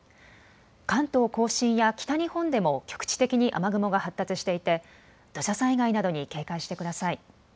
関東甲信や北日本でも局地的に雨雲が発達していて土砂災害などに警戒してください。